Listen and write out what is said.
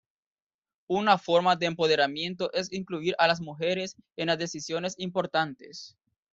Una forma de empoderamiento es incluir a las mujeres en las decisiones importantes.